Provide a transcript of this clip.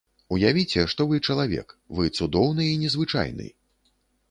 Уявіце, што вы чалавек, вы цудоўны і незвычайны!